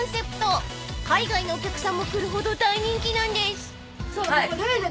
［海外のお客さんも来るほど大人気なんです］